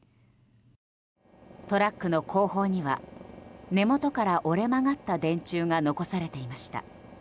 トラックの後方には根元から折れ曲がった電柱が残されていました。